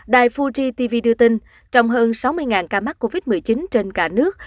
đài fuji tv đưa tin trong hơn sáu mươi ca mắc covid một mươi chín trên cả nước